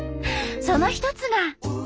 その一つが。